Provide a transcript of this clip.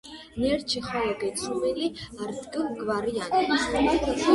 ნერჩი ხოლო გეცუმილი რდჷ გვარიანო.